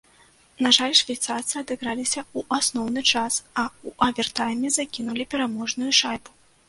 На жаль, швейцарцы адыграліся ў асноўны час, а ў авертайме закінулі пераможную шайбу.